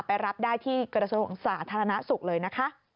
รับได้ที่กระทรวงสาธารณสุขเลยนะคะ